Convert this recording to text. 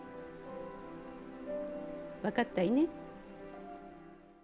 分かったいね。